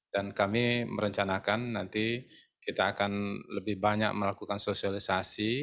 dan kami merencanakan nanti kita akan lebih banyak melakukan sosialisasi